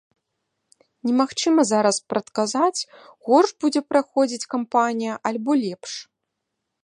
Немагчыма зараз прадказаць, горш будзе праходзіць кампанія альбо лепш.